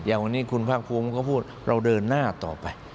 อย่างวันนี้คุณภาคภูมิก็พูดเราเดินหน้าต่อไป